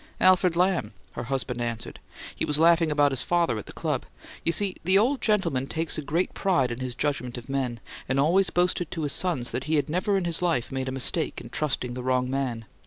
"Alfred Lamb," her husband answered. "He was laughing about his father, at the club. You see the old gentleman takes a great pride in his judgment of men, and always boasted to his sons that he'd never in his life made a mistake in trusting the wrong man.